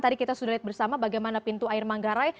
tadi kita sudah lihat bersama bagaimana pintu air manggarai